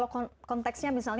masih ada yang mengatakan